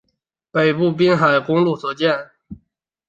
北部滨海公路所见